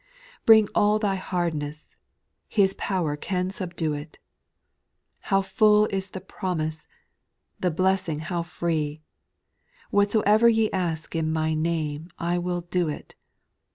Bring all thy hardness ; His pow'r can sub due it : How full is the promise ! the blessing how free I " Whatsoever ye ask in my name, I will do it."